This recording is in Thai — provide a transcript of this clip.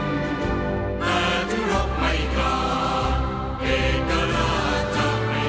สุภาพเวียนอย่างวิชาภูมิพระราชก็เพลง